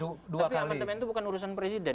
tapi amandemen itu bukan urusan presiden